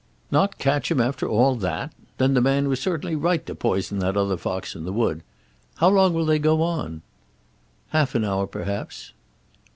"Not catch him after all that! Then the man was certainly right to poison that other fox in the wood. How long will they go on?" "Half an hour perhaps."